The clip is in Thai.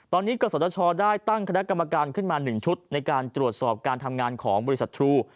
ตอนนี้กษชได้ตั้งคณะกรรมการขึ้นมา๑ชุดในการตรวจสอบการทำงานของบริษัททรู